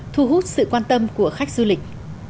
thu hút sự quan tâm của khách du lịch